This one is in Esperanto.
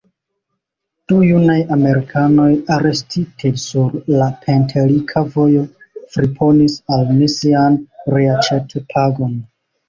Du junaj Amerikanoj, arestite sur la Pentelika vojo, friponis al ni sian reaĉetpagon.